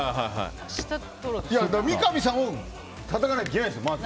三上さんをたたかないといけないです、まず。